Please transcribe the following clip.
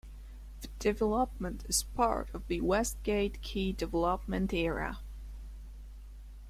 The development is part of the "Westgate Key Development Area".